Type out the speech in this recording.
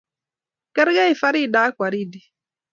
Kergei Farida ago Waridi